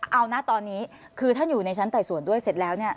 เอานะตอนนี้คือถ้าอยู่ในชั้นไต่สวนด้วยเสร็จแล้วเนี่ย